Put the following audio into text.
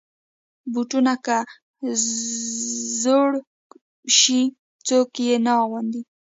بوټونه که زوړ شي، څوک یې نه اغوندي.